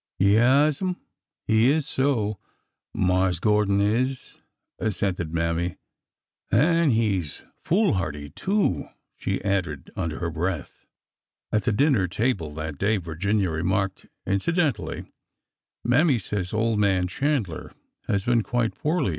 Yaas'm, he is so,— Marse Gordon is." assented DAVID— 239 Mammy,— '' an' he 's foolhardy, too!" she added under her breath. At the dinner table that day Virginia remarked inci dentally : Mammy says old man Chandler has been quite poorly.